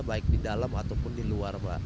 baik di dalam ataupun di luar